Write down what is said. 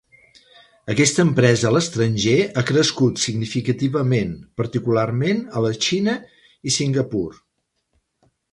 Aquesta empresa a l'estranger ha crescut significativament, particularment a la Xina i Singapur.